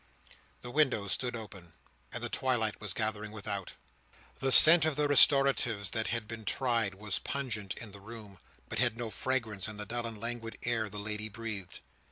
The windows stood open, and the twilight was gathering without. The scent of the restoratives that had been tried was pungent in the room, but had no fragrance in the dull and languid air the lady breathed.